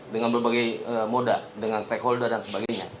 dengan berbagai moda dengan stakeholder dan sebagainya